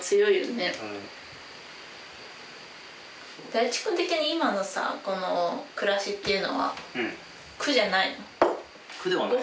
大地君的に今のこの暮らしっていうのは苦じゃないの？